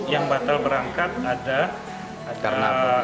yang batal berangkat ada